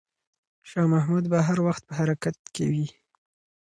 شاه محمود به هر وخت په حرکت کې وي.